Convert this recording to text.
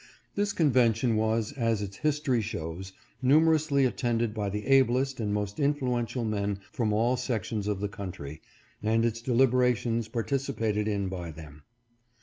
This convention was, as its history shows, numerously attended by the ablest and most influential men from all sections of the country, and its deliberations participated in by them.